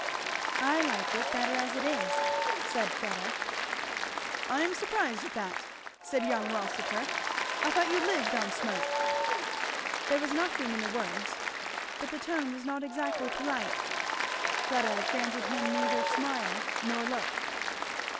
"I like it better as it is," said Fleda. "I am surprised at that," said young Rossitur. "I thought you lived on smoke." There was nothing in the words, but the tone was not exactly polite. Fleda granted him neither smile nor look.